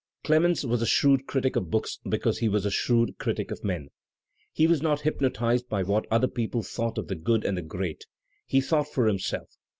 Clemens was a shrewd critic of books because he was a shrewd critic of men. He was not hypnotized by what other people thought of the good and the great; he thought for himself.